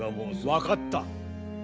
分かった。